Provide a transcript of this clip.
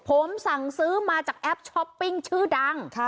ผมสั่งซื้อมาจากแอปช้อปปิ้งชื่อดัง